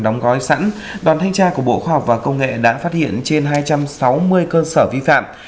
đóng gói sẵn đoàn thanh tra của bộ khoa học và công nghệ đã phát hiện trên hai trăm sáu mươi cơ sở vi phạm